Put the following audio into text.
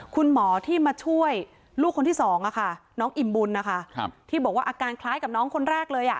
คุณหมอที่มาช่วยลูกคนที่สองน้องอิ่มบุญนะคะที่บอกว่าอาการคล้ายกับน้องคนแรกเลยอ่ะ